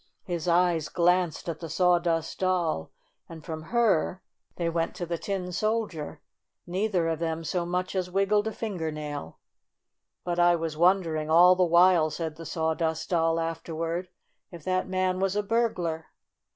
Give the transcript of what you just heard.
His eyes glanced at the Saw dust Doll, and from her they went to the 37 38 STORY OF A SAWDUST DOLL Tin Soldier. Neither of them so much as wiggled a fingernail. "But I was wondering, all the while," said the Sawdust Doll afterward, "if that man was a burglar.